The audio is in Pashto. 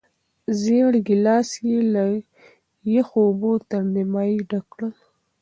زېړ ګیلاس یې له یخو اوبو نه تر نیمايي ډک کړ.